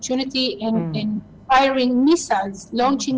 มันยังได้ใช้ล่างมสอบเพือน